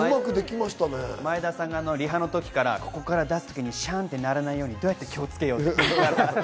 前田さんがリハの時からここから出す時に、シャンってならないようにどうやって気をつけようって。